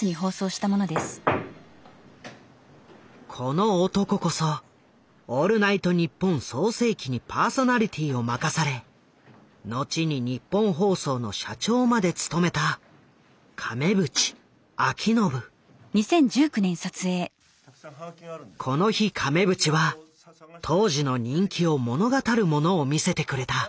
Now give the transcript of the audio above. この男こそ「オールナイトニッポン」創成期にパーソナリティーを任され後にニッポン放送の社長まで務めたこの日亀渕は当時の人気を物語るものを見せてくれた。